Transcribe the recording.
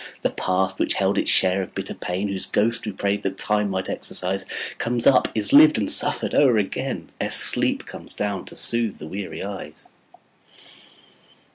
The past which held its share of bitter pain, Whose ghost we prayed that Time might exorcise, Comes up, is lived and suffered o'er again, Ere sleep comes down to soothe the weary eyes.